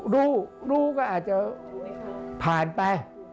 รู้รู้ก็อาจจะผ่านไป